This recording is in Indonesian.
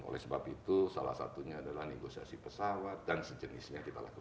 oleh sebab itu salah satunya adalah negosiasi pesawat dan sejenisnya kita lakukan